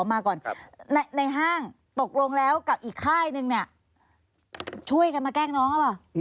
มาก่อนในห้างตกลงแล้วกับอีกค่ายนึงเนี่ยช่วยกันมาแกล้งน้องหรือเปล่า